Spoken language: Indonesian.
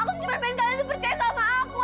aku tuh cuma pengen kalian tuh percaya sama aku